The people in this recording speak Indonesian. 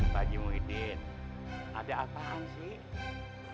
bagimu idin adik apaan sih